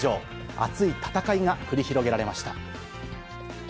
熱い戦いが繰り広げられました。